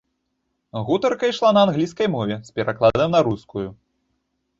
Гутарка ішла на англійскай мове з перакладам на рускую.